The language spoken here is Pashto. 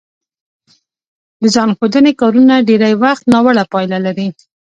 د ځان ښودنې کارونه ډېری وخت ناوړه پایله لري